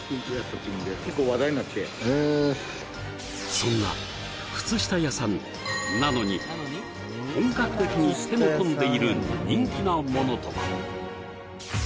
そんな靴下屋さんなのに本格的に手の込んでいる人気なものとは？